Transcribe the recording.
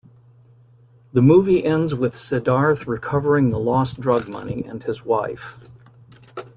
The movie ends with Siddharth recovering the lost drug money and his wife.